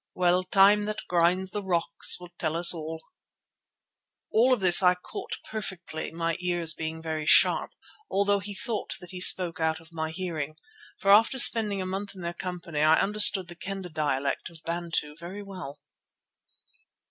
Well, time that grinds the rocks will tell us all." All of this I caught perfectly, my ears being very sharp, although he thought that he spoke out of my hearing, for after spending a month in their company I understood the Kendah dialect of Bantu very well.